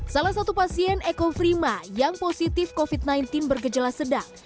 salah satu pasien ekofrima yang positif covid sembilan belas bergejala sedang